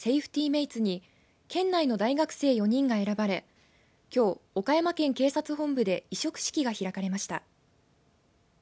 メイツに県内の大学生４人が選ばれきょう岡山県警察本部で委嘱式が開かれました。